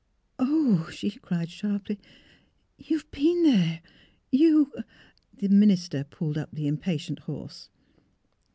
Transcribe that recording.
" Oh! " she cried, sharply, " You have been there. You " The minister pulled up the impatient horse.